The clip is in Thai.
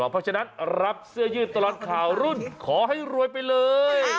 เพราะฉะนั้นรับเสื้อยืดตลอดข่าวรุ่นขอให้รวยไปเลย